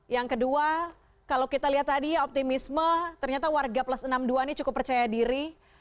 yang kedua kalau kita lihat tadi ya optimisme ternyata warga plus enam puluh dua ini cukup percaya diri